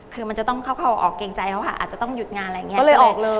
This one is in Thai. คือมันจะต้องเข้าเข้าออกเกรงใจเขาค่ะอาจจะต้องหยุดงานอะไรอย่างนี้